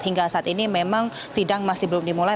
hingga saat ini memang sidang masih belum dimulai